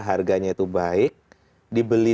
harganya itu baik dibeli